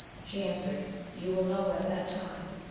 She answered, You will know at that time.